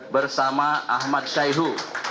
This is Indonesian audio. bersama ahmad syaihu